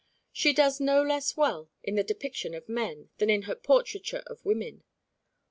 She does no less well in the depiction of men than in the portraiture of women.